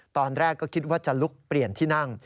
ตอนแรกก็คิดว่าจะลุกเปลี่ยนที่นั่ง